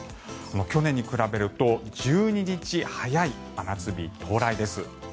去年に比べると１２日早い真夏日到来です。